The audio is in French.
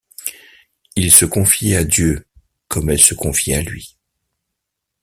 Il se confiait à Dieu comme elle se confiait à lui.